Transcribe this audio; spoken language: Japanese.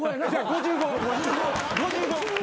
５５。